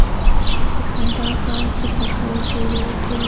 د خندا ږغ د خوښۍ زیری ورکوي.